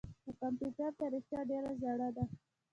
د کمپیوټر تاریخچه ډېره زړه ده.